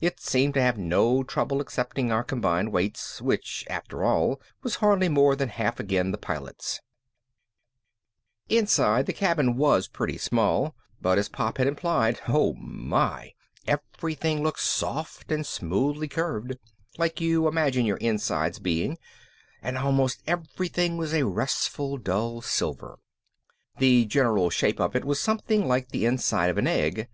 It seemed to have no trouble accepting our combined weight, which after all was hardly more than half again the Pilot's. Inside the cabin was pretty small but as Pop had implied, oh my! Everything looked soft and smoothly curved, like you imagine your insides being, and almost everything was a restfully dull silver. The general shape of it was something like the inside of an egg.